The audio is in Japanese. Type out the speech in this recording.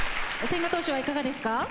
千賀投手はいかがですか？